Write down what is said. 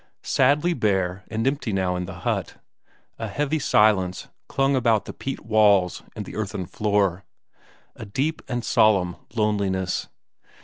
Sadly bare and empty now in the hut; a heavy silence clung about the peat walls and the earthen floor; a deep and solemn loneliness.